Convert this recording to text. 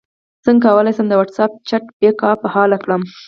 څنګه کولی شم د واټساپ چټ بیک اپ بحال کړم